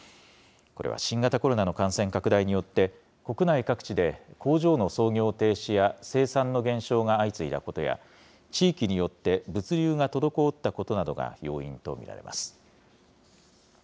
これは新型コロナの感染拡大によって、国内各地で工場の操業停止や生産の減少が相次いだことや、地域によって物流が滞ったことなどが要因と見られます。